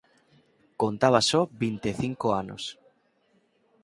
Contaba só vinte e cinco anos.